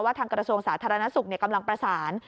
ทางกระทรวงสาธารณสุขกำลังประสาน